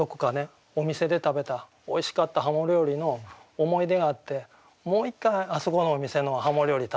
お店で食べたおいしかった鱧料理の思い出があってもう一回あそこのお店の鱧料理